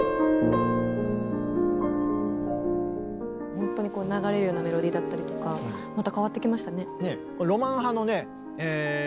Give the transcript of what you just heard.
ほんとに流れるようなメロディーだったりとかまた変わってきましたね。